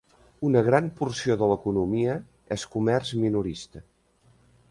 Una gran porció de l'economia és comerç minorista.